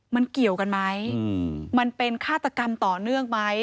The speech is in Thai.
มันเกี่ยวกันไหมมันเป็นฆาตกรรมต่อเนื่องไหม